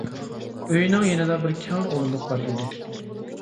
ئۆينىڭ يېنىدا بىر كەڭرى ئورۇندۇق بار ئىدى.